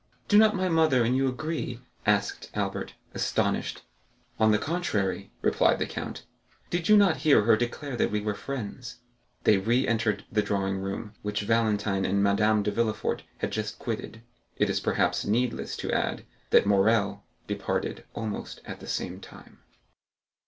"Do not my mother and you agree?" asked Albert, astonished. "On the contrary," replied the count, "did you not hear her declare that we were friends?" They re entered the drawing room, which Valentine and Madame de Villefort had just quitted. It is perhaps needless to add that Morrel departed almost at the same time.